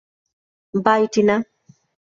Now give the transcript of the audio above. By, Tina.